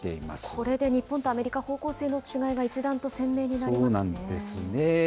これで日本とアメリカ、方向性の違いが一段と鮮明になりますそうなんですね。